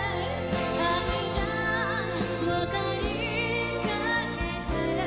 「愛がわかりかけたら」